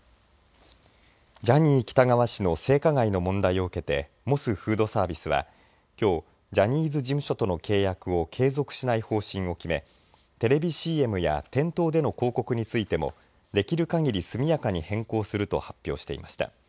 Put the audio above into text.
ジャニー喜多川氏の性加害の問題を受けてモスフードサービスは、きょうジャニーズ事務所との契約を継続しない方針を決めテレビＣＭや店頭での広告についてもできるかぎり速やかに変更すると発表していました。